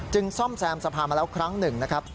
ซ่อมแซมสภามาแล้วครั้งหนึ่งนะครับ